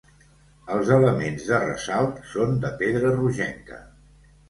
Els elements de ressalt són de pedra rogenca.